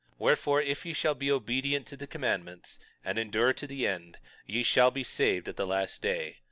Wherefore, if ye shall be obedient to the commandments, and endure to the end, ye shall be saved at the last day.